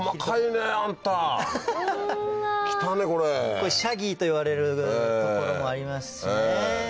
これシャギーといわれる所もありますしね。